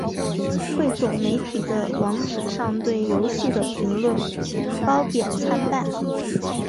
汇总媒体的网址上对游戏的评论褒贬参半。